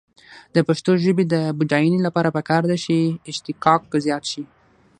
د پښتو ژبې د بډاینې لپاره پکار ده چې اشتقاق زیات شي.